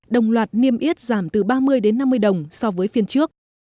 đồng loạt niêm yết giảm từ ba mươi đến năm mươi đồng so với phiên trước